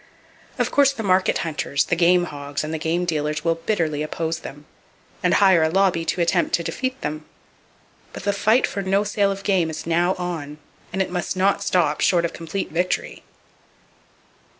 Of course the market hunters, the game hogs and the game dealers will bitterly oppose them, and hire a lobby to attempt to defeat them. But the fight for no sale of game is now on, and it must not stop short of complete victory.